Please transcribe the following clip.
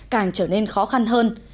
càng trở nên khó khăn hơn